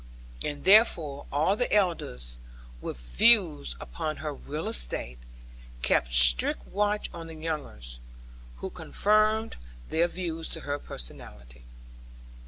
And therefore all the elders (with views upon her real estate) kept strict watch on the youngers, who confined their views to her personality.